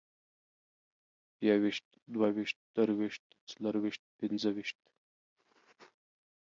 يويشت، دوه ويشت، درويشت، څلرويشت، پينځويشت